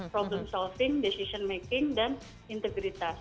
problem solving decision making dan integritas